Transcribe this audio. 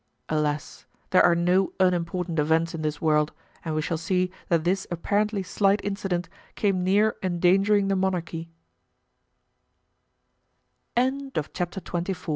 Alas! there are no unimportant events in this world and we shall see that this apparently slight incident came near endangering the monarchy. Chapter XXV.